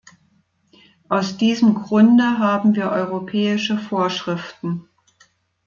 Aus diesem Grunde haben wir europäische Vorschriften.